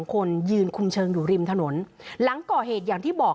คนยืนคุมเชิงอยู่ริมถนนหลังก่อเหตุอย่างที่บอก